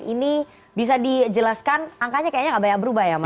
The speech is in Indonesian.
ini bisa dijelaskan angkanya kayaknya nggak banyak berubah ya mas